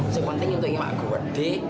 seperti itu ini berbeda